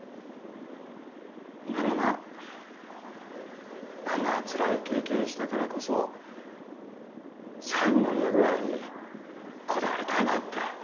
んでもなあんなつらい経験したからこそ最後の家ぐらいこだわりたいなって。